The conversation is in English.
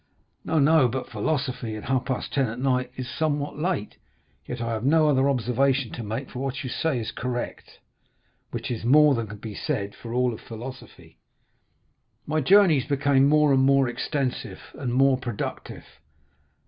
"No, no; but philosophy at half past ten at night is somewhat late; yet I have no other observation to make, for what you say is correct, which is more than can be said for all philosophy." "My journeys became more and more extensive and more productive.